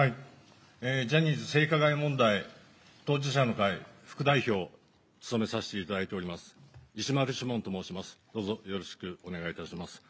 ジャニーズ性加害問題当事者の会、副代表務めさせていただいています石丸志門と申します、どうぞよろしくお願いいたします。